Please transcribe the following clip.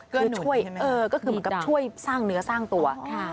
ก็ช่วยช่วยสร้างเนื้อสร้างตัว